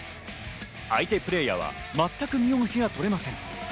相手プレーヤーは全く身動きが取れません。